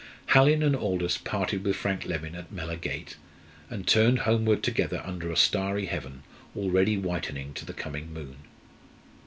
Hallin and Aldous parted with Frank Leven at Mellor gate, and turned homeward together under a starry heaven already whitening to the coming moon.